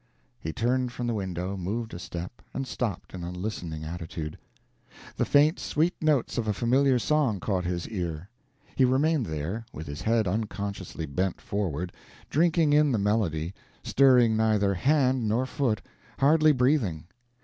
He turned from the window, moved a step, and stopped in a listening attitude. The faint, sweet notes of a familiar song caught his ear. He remained there, with his head unconsciously bent forward, drinking in the melody, stirring neither hand nor foot, hardly breathing.